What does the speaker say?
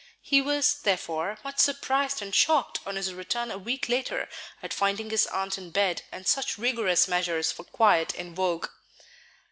He was, therefore, much surprised and shocked on his return a week later at finding his aunt in bed and such rigorous measures for quiet in vogue.